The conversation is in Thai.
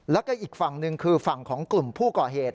แล้วก็อีกฝั่งหนึ่งคือฝั่งของกลุ่มผู้ก่อเหตุ